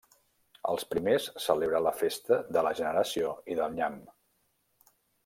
Els primers celebren la festa de la generació i del nyam.